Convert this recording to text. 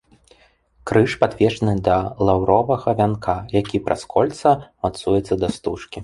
Крыж падвешаны да лаўровага вянка, які праз кольца мацуецца да стужкі.